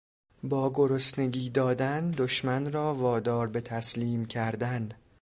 با گرسنگی دادن دشمن را وادار به تسلیم کردن